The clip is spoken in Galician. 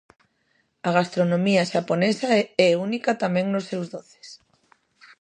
A gastronomía xaponesa é única tamén nos seus doces.